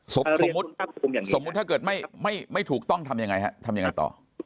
สมมุติสมมุติถ้าเกิดไม่ถูกต้องทำยังไงฮะทำยังไงต่อ